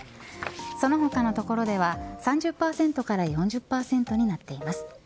その他の所では３０％から４０％になっています。